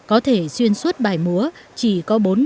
có thể xuyên suốt bài múa chỉ có bốn động tác